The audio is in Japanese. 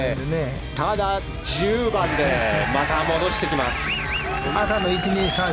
ただ、１０番でまた戻してきます。